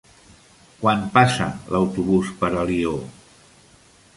Quan passa l'autobús per Alió?